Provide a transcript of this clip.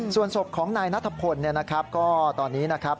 ส่วนศพของนายนัทพลก็ตอนนี้นะครับ